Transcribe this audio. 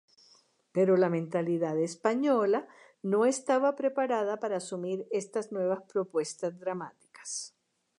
Pero la mentalidad española no estaba preparada para asumir estas nuevas propuestas dramáticas.